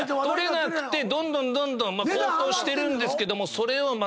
取れなくてどんどんどんどん高騰してるんですけどもそれを。